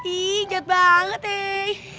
ih jat banget eh